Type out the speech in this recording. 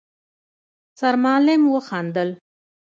سرمعلم وخندل: